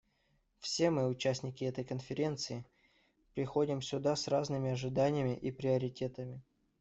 Все мы, участники этой Конференции, приходим сюда с разными ожиданиями и приоритетами.